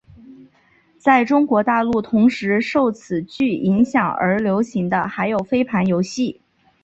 在中国大陆同时受此剧影响而流行的还有飞盘游戏。